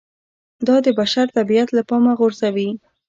دا د بشر طبیعت له پامه غورځوي